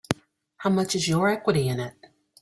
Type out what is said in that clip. How much is your equity in it?